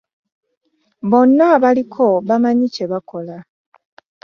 Bonna abaliko bamanyi kye bakola.